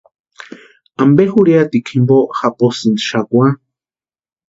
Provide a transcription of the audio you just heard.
¿Ampe jurhiatikwa jimpo japosïnki xakwa?